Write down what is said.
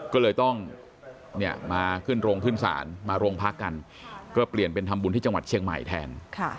ก็เลยต้องมาขึ้นโรงขึ้นศาลมาโรงพักกันก็เปลี่ยนเป็นทำบุญที่จังหวัดเชียงใหม่แทน